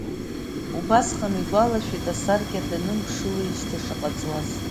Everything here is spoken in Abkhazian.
Убасҟан илгәалашәеит асаркьа данымԥшылеижьҭеи шаҟа ҵуаз.